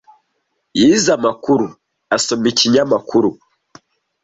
Yize amakuru asoma ikinyamakuru.